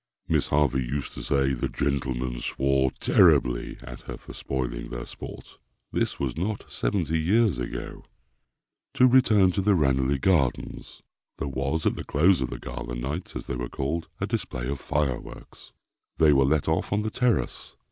Miss Harvey used to say "the gentlemen swore terribly" at her for spoiling their sport. This was not seventy years ago! To return to the Ranelagh Gardens. There was, at the close of the gala nights, as they were called, a display of fireworks. They were let off on the terrace.